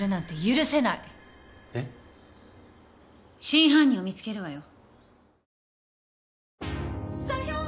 真犯人を見つけるわよ。